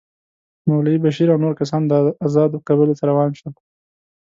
مولوي بشیر او نور کسان آزادو قبایلو ته روان شول.